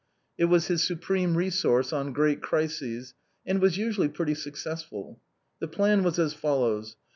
It was his supreme re source on great crises, and was usually pretty successful. The plan was as follows.